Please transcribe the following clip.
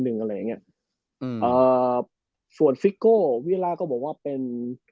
หนึ่งอะไรอย่างเงี้ยอืมเอ่อส่วนฟิโก้เวียล่าก็บอกว่าเป็น